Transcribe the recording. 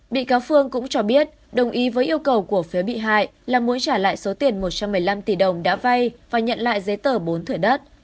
bị cáo phương cũng cho biết đồng ý với yêu cầu của phía bị hại là muốn trả lại số tiền một trăm một mươi năm tỷ đồng đã vay và nhận lại giấy tờ bốn thửa đất